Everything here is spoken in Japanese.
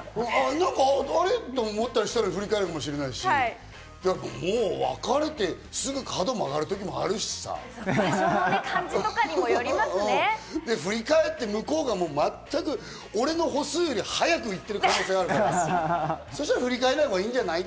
あれ？って思ったりしたら振り返るかもしれないし、もう別れてすぐ角曲がる時もあるしさ、振り返って向こうが全く俺の歩数より早く行ってる可能性あるから、そうしたら振り返らないほうがいいんじゃない？